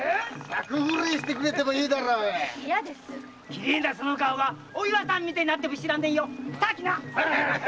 きれいな顔がお岩さんみたいになっても知らねえよ来な！